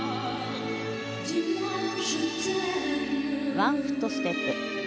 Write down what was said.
ワンフットステップ。